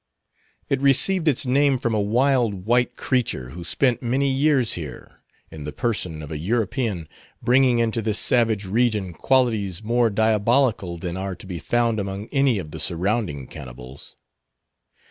It received its name from a wild white creature who spent many years here; in the person of a European bringing into this savage region qualities more diabolical than are to be found among any of the surrounding cannibals.